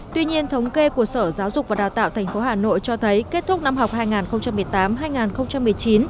tuy nhiên thống kê của sở giáo dục và đào tạo tp hà nội cho thấy kết thúc năm học hai nghìn một mươi tám hai nghìn một mươi chín